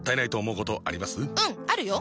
うんあるよ！